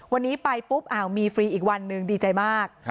วันนี้ไปปุ๊บมีฟรีอีกวันหนึ่งดีใจมาก